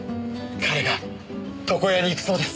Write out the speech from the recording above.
彼が床屋に行くそうです。